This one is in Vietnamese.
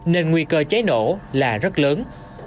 nên nguy cơ cháy nổ là rất lớn